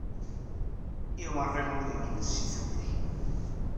Yiwriɣ wudem-nnes seg tugdi.